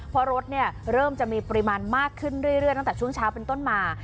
เพราะรถเริ่มจะมีปริมาณมากขึ้นเรื่อยตั้งแต่ช่วงเช้าเป็นต้นมา